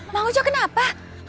mang ujo kenapa